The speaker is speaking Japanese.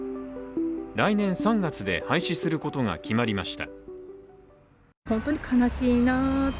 来年３月で廃止することが決まりました。